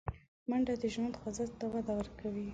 منډه د ژوند خوځښت ته وده ورکوي